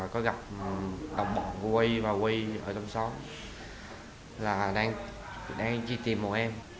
có gặp đồng bộ quay và quay ở trong xóm đang chi tìm một em